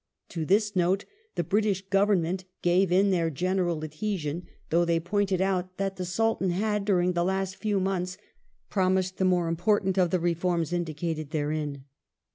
To this Note the British Government gave in their general adhesion, though they pointed out that the Sultan had, during the last few months, promised the more important of the reforms indicated therein.